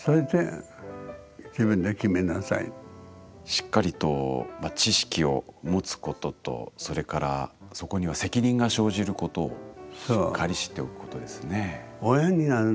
しっかりと知識を持つこととそれからそこには責任が生じることをしっかり知っておくことですね。